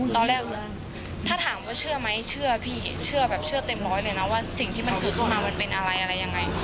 ตอนแรกถ้าถามว่าเชื่อไหมเชื่อพี่เชื่อแบบเชื่อเต็มร้อยเลยนะว่าสิ่งที่มันคือเข้ามามันเป็นอะไรอะไรยังไง